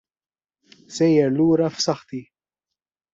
Sejjer lura f'saħħti.